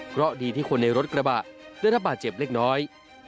เพราะดีที่คนในรถกระบะได้รับบาดเจ็บเล็กน้อย